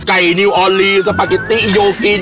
ไก่นิ้วออลลีสปาเก็ตตี้อิโยกิน